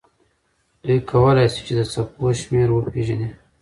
دوی کولی شي چې د څپو شمېر وپیژني.